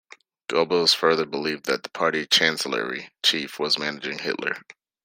Goebbels further believed that the Party Chancellery chief was managing Hitler.